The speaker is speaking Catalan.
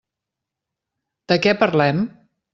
De què parlem?